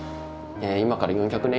今から４００年